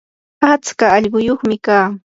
atska allquyuqmi kaa.